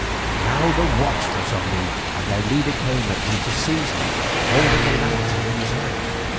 Now the watch was on me, and their leader came at me to seize me, holding a lantern in his hand.